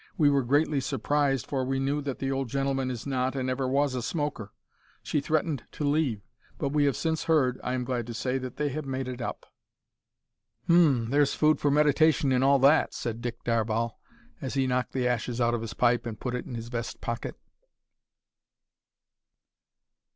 We were greatly surprised, for we knew that the old gentleman is not and never was, a smoker. She threatened to leave, but we have since heard, I am glad to say, that they have made it up! "H'm! there's food for meditation in all that," said Dick Darvall, as he knocked the ashes out of his pipe and put it in his vest pocket.